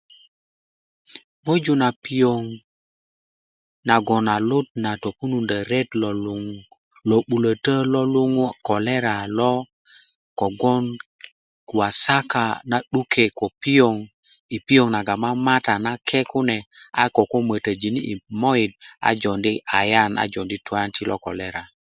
moju na piöŋ nagon a lut na topundo ret loŋ lo'buloto lo luŋu kolera lo ko kogbon wasaka na 'duke ko piöŋ i piöŋ naga mamata a nake kune a koko mötöjini i möit a jounda anyen a joundi twanti lo kolera